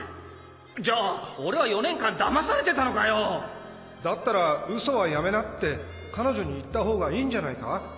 じゃあ俺は４年間だまされてたのかよだったらウソはやめなって彼女に言った方がいいんじゃないか？